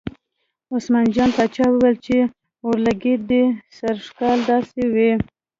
عثمان جان پاچا ویل چې اورلګید دې سږ کال داسې وي.